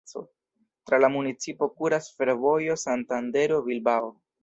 Tra la municipo kuras fervojo Santandero-Bilbao.